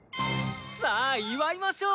さあ祝いましょう！